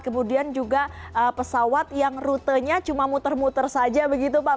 kemudian juga pesawat yang rutenya cuma muter muter saja begitu pak